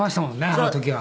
あの時は。